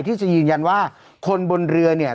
ที่จะยืนยันว่าคนบนเรือเนี่ย